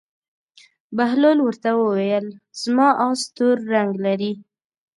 بهلول ورته وویل: زما اس تور رنګ لري.